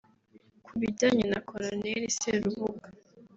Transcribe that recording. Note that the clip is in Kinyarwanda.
Ku bijyanye na Colonel Serubuga